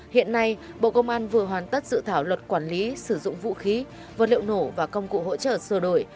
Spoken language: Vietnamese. hiện nay bộ công an vừa hoàn tất dự thảo luật quản lý sử dụng vũ khí vật liệu nổ và công cụ hỗ trợ sửa đổi